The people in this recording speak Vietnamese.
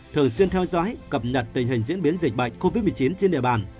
thường xuyên theo dõi cập nhật tình hình diễn biến dịch bệnh covid một mươi chín trên địa bàn